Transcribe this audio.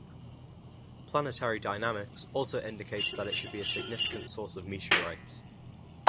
Planetary dynamics also indicates that it should be a significant source of meteorites.